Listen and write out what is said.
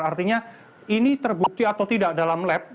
artinya ini terbukti atau tidak dalam lab